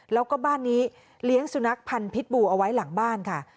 แล้วก็บ้านนี้เลี้ยงสุนัขพันธ์พิษบูเอาไว้หลังบ้านค่ะ